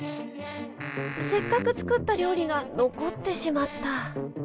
せっかく作った料理が残ってしまった。